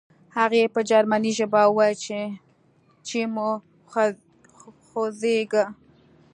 هغې په جرمني ژبه وویل چې مه خوځېږه